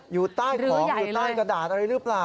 อยู่ใต้ของอยู่ใต้กระดาษอะไรหรือเปล่า